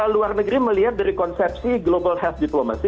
luar negeri melihat dari konsepsi global health diplomacy